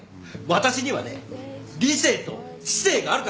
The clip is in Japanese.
私にはね理性と知性があるからだ。